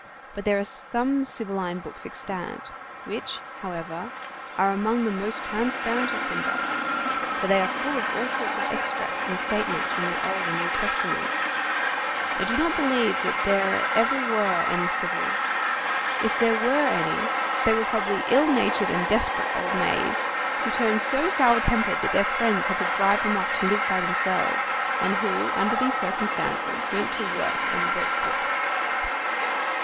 But there are some Sibylline books extant, which, however, are among the most transparent of humbugs, for they are full of all sorts of extracts and statements from the Old and New Testaments. I do not believe there ever were any Sibyls. If there were any, they were probably ill natured and desperate old maids, who turned so sour tempered that their friends had to drive them off to live by themselves, and who, under these circumstances, went to work and wrote books.